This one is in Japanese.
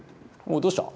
おうどうした？